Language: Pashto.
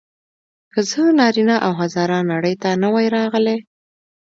که زه نارینه او هزاره نړۍ ته نه وای راغلی.